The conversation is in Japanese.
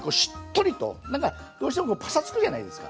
なんかどうしてもパサつくじゃないですか。